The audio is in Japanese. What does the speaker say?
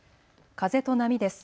風と波です。